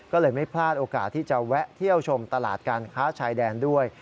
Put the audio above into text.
ก็เลยไม่พลาดโอกาสที่จะแวะเที่ยวชมตลาดการค้าชายแดนด้วย